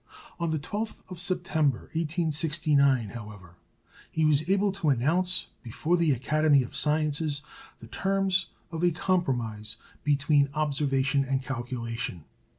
On the 12th of September, 1869, however, he was able to announce before the Academy of Sciences the terms of a compromise between observation and calculation.